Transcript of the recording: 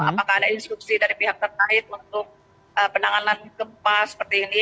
apakah ada instruksi dari pihak terkait untuk penanganan gempa seperti ini